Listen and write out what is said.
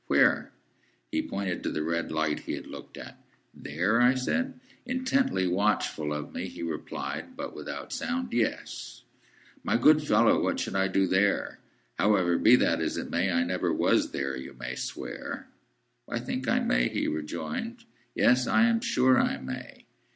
"Where?" He pointed to the red light he had looked at. "There?" I said. Intently watchful of me, he replied (but without sound), "Yes." "My good fellow, what should I do there? However, be that as it may, I never was there, you may swear." "I think I may," he rejoined. "Yes; I am sure I may."